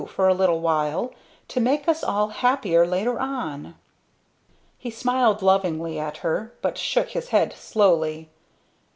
for a little while to make us all happier later on." He smiled lovingly at her but shook his head slowly.